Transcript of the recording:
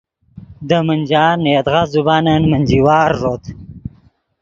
دے منجان نے یدغا زبانن منجی وار ݱوت